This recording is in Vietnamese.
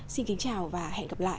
xin kính chào và hẹn gặp lại